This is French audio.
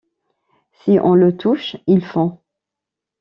Si on le touche, il fond.